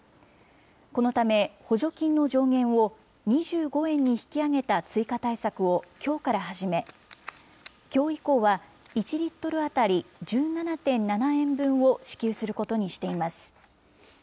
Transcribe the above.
このため、補助金の上限を２５円に引き上げた追加対策をきょうから始め、きょう以降は１リットル当たり１７．７円分を支給することにしています。